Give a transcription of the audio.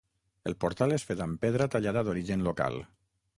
El portal és fet amb pedra tallada d'origen local.